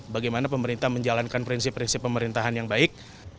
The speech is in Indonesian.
bagaimana pemerintah menjalankan prinsip prinsip pemerintahan yang baik